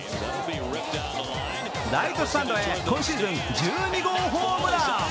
ライトスタンドへ今シーズン１２号ホームラン。